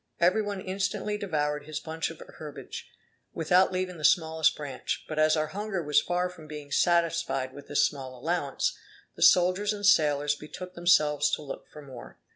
Every one instantly devoured his bunch of herbage, without leaving the smallest branch: but as our hunger was far from being satisfied with this small allowance, the soldiers and sailors betook themselves to look for more.